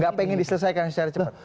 nggak pengen diselesaikan secara cepat